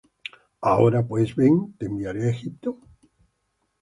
Ahora pues, ven, te enviaré á Egipto.